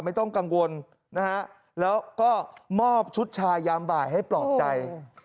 ไม่ต้องกังวลนะฮะแล้วก็มอบชุดชายามบ่ายให้ปลอบใจ